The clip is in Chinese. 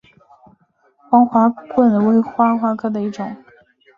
黄花蔺为花蔺科黄花蔺属下的一个种。